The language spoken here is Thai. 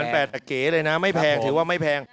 แต่เก๋เลยนะไม่แพงถือว่าไม่แพง